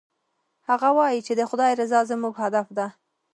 هغه وایي چې د خدای رضا زموږ هدف ده